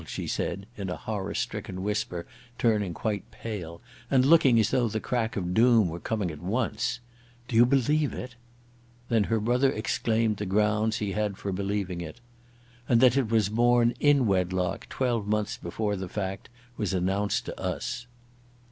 she said in a horror stricken whisper, turning quite pale, and looking as though the crack of doom were coming at once. "Do you believe it?" Then her brother explained the grounds he had for believing it. "And that it was born in wedlock twelve months before the fact was announced to us."